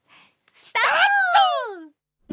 スタート！